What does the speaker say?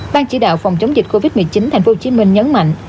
ban chỉ đạo phòng chống dịch covid một mươi chín thành phố hồ chí minh nhấn mạnh